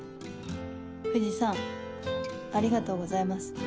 藤さんありがとうございます。